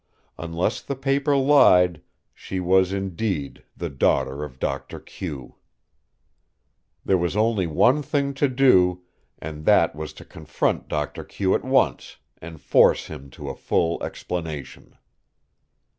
Unless the paper lied, she was indeed the daughter of Doctor Q. There was only one thing to do and that was to confront Doctor Q at once and force him to a full explanation.